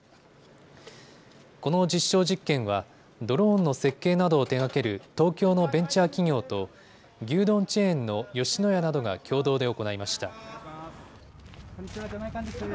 この実証実験は、ドローンの設計などを手がける東京のベンチャー企業と、牛丼チェーンの吉野家などが共同で行いました。